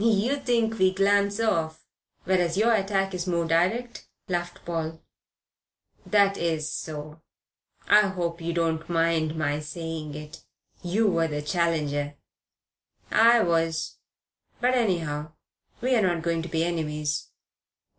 "You think we glance off, whereas your attack is more direct," laughed Paul. "That is so. I hope you don't mind my saying it. You were the challenger." "I was. But anyhow we're not going to be enemies."